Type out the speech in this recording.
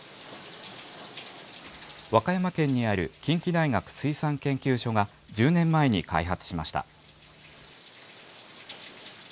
和歌山県にある近畿大学水産研究所が、１０年前に開発しました。